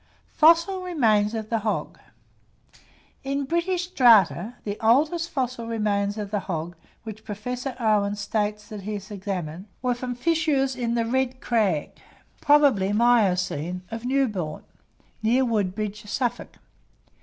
FOSSIL REMAINS OF THE HOG. In British strata, the oldest fossil remains of the hog which Professor Owen states that he has examined, were from fissures in the red crag (probably miocene) of Newbourne, near Woodbridge, Suffolk.